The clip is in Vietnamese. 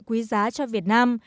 quý giá cho việt nam